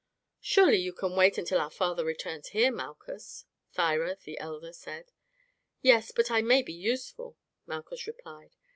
"Surely you can wait until our father returns here, Malchus," Thyra, the elder, said. "Yes; but I may be useful," Malchus replied.